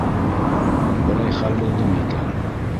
Берәй хәл булдымы икән?